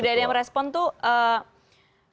tidak ada yang merespon tuh